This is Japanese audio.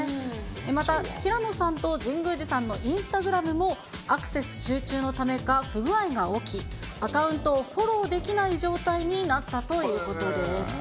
また平野さんと神宮寺さんのインスタグラムも、アクセス集中のためか不具合が起き、アカウントをフォローできない状態になったということです。